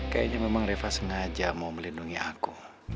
kayaknya memang reva sengaja mau melindungi aku